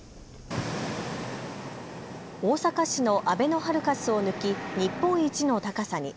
大阪市のあべのハルカスを抜き日本一の高さに。